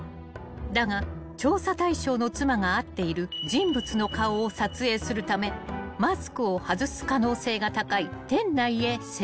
［だが調査対象の妻が会っている人物の顔を撮影するためマスクを外す可能性が高い店内へ潜入］